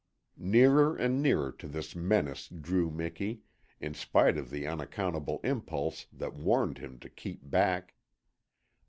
Nearer and nearer to this menace drew Miki, in spite of the unaccountable impulse that warned him to keep back.